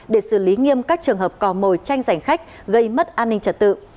để xử lý nghiêm các trường hợp cò mồi tranh giành khách gây mất an ninh trật tự